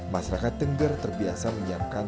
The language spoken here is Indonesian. masyarakat tengger terbiasa menyiapkan